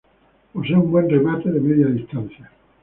Posee un buen remate de media distancia.